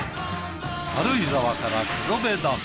軽井沢から黒部ダム。